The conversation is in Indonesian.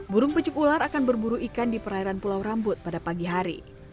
burung pecuk ular akan berburu ikan di perairan pulau rambut pada pagi hari